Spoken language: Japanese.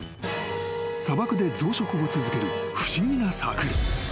［砂漠で増殖を続ける不思議なサークル］